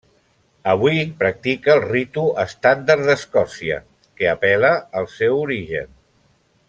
Avui practica el Ritu Estàndard d'Escòcia que apel·la al seu origen.